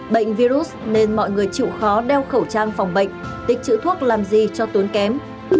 bệnh virus nên mọi người chịu khó đeo khẩu trang phòng bệnh tích chữ thuốc làm gì cho tốn kém